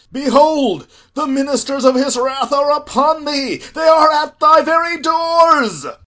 Behold, the ministers of his wrath are upon thee—they are at thy very doors!